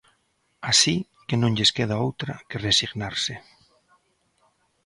Así que non lles queda outra que resignarse.